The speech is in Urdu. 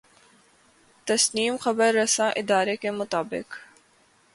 تسنیم خبررساں ادارے کے مطابق